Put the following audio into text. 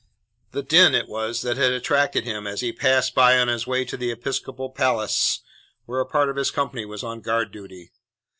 The din it was that had attracted him as he passed by on his way to the Episcopal Palace where a part of his company was on guard duty.